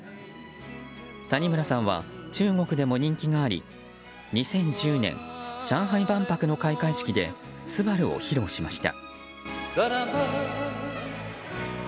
谷村さんは中国でも人気があり２０１０年上海万博の開会式で「昴」を披露しました。